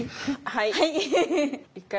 はい。